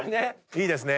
いいですね。